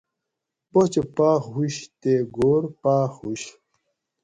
باچہ پاخ ہوش تے گھور پاۤخ ہوُش